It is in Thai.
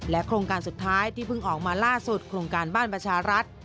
โครงการสุดท้ายที่เพิ่งออกมาล่าสุดโครงการบ้านประชารัฐ